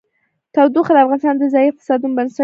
تودوخه د افغانستان د ځایي اقتصادونو بنسټ دی.